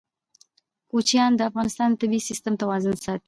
کوچیان د افغانستان د طبعي سیسټم توازن ساتي.